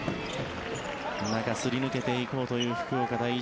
中、すり抜けていこうという福岡第一。